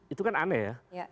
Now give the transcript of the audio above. itu kan aneh ya